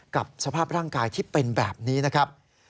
กับสภาพร่างกายที่เป็นแบบนี้นะครับ